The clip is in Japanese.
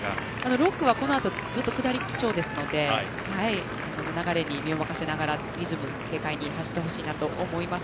６区は、このあとずっと下り基調ですので流れに身を任せながらリズム軽快に走ってほしいと思います。